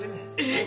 えっ？